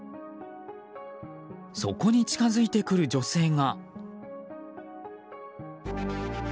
そこに近づいてくる女性が。